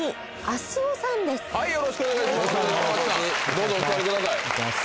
どうぞお座りください